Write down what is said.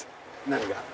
何が？